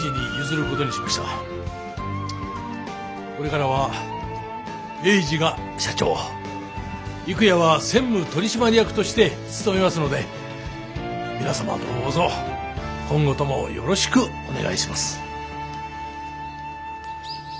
これからは英治が社長郁弥は専務取締役として務めますので皆様どうぞ今後ともよろしくお願いします。